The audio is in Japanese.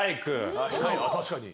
確かに。